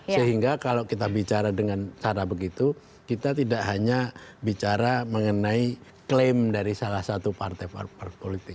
sehingga kalau kita bicara dengan cara begitu kita tidak hanya bicara mengenai klaim dari salah satu partai partai politik